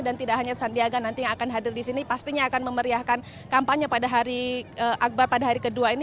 dan tidak hanya sandiaga nanti yang akan hadir di sini pastinya akan memeriahkan kampanye pada hari akbar pada hari kedua ini